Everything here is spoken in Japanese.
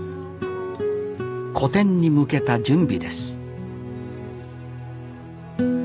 個展に向けた準備です